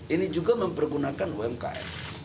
ini juga mempergunakan umkm